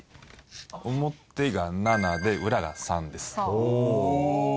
表が７で裏が３です。